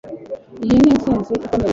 Iyi ni intsinzi ikomeye